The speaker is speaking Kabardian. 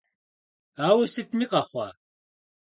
Ауэ сытми къэхъуа!